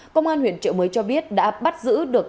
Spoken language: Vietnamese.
công an huyện trợ mới cho biết đã bắt giữ được